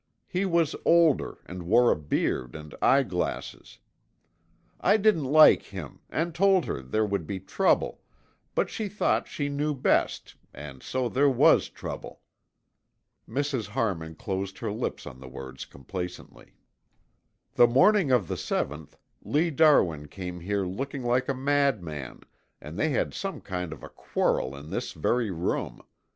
He was older and wore a beard and eyeglasses. I didn't like him and told her there would be trouble, but she thought she knew best, and so there was trouble." Mrs. Harmon closed her lips on the words complacently. "The morning of the seventh, Lee Darwin came here looking like a madman, and they had some kind of a quarrel in this very room.